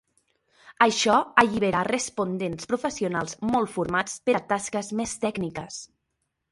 Això allibera a respondents professionals molt formats per a tasques més tècniques.